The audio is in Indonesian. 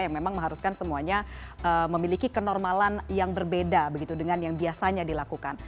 yang memang mengharuskan semuanya memiliki kenormalan yang berbeda begitu dengan yang biasanya dilakukan